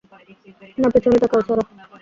না পেছনে তাকাও, সারা!